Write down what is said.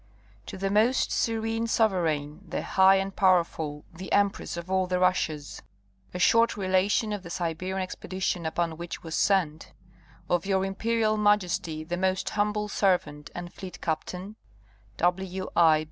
To the most Serene Sovereign, the high and powerful, the Empress of all the Russias : A short relation of the Siberian Expedition upon which was sent Of your Imperial Majesty the most humble servant and fleet captain, W. I.